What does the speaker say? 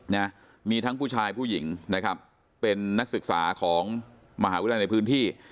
นะมีทั้งผู้ชายผู้หญิงนะครับเป็นนักศึกษาของมหาวิทยาลัยในพื้นที่